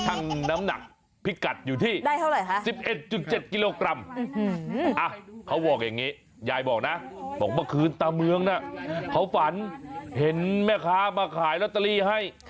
น้ำหนักพิกัดอยู่ที่ได้เท่าไหร่ฮะ๑๑๗กิโลกรัมเขาบอกอย่างนี้ยายบอกนะบอกเมื่อคืนตาเมืองน่ะเขาฝันเห็นแม่ค้ามาขายลอตเตอรี่ให้